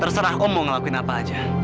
terserah om mau ngelakuin apa aja